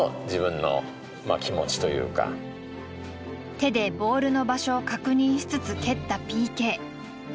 手でボールの場所を確認しつつ蹴ったＰＫ。